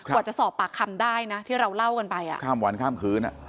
กว่าจะสอบปากคำได้นะที่เราเล่ากันไปอ่ะข้ามวันข้ามคืนอ่ะ